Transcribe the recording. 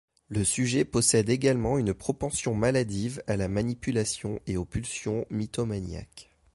Le sujet possède également une propension maladive à la manipulation et aux pulsions mythomaniaques.